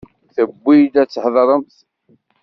Tewwi-d ad tḥadremt.